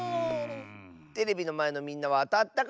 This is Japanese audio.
テレビのまえのみんなはあたったかな？